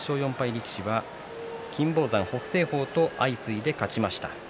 力士は金峰山、北青鵬と相次いで勝ちました。